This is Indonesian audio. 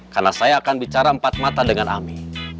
karena saya akan bicara empat mata dengan ami